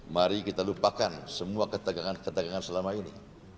mari kita lupakan semua ketegangan ketegangan selama ini